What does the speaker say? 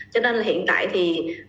cho nên là hiện tại thì